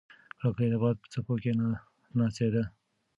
کړکۍ د باد په څپو کې ناڅېده.